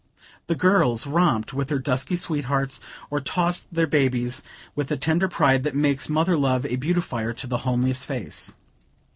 The girls romped with their dusky sweethearts, or tossed their babies, with the tender pride that makes mother love a beautifier to the homeliest face.